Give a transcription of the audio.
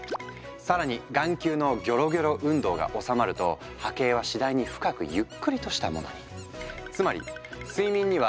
更に眼球のギョロギョロ運動が収まると波形は次第に深くゆっくりとしたものに。